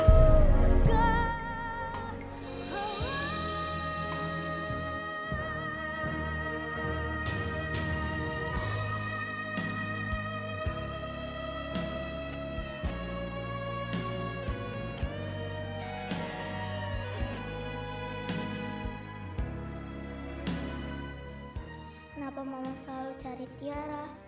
kenapa mama selalu cari tiara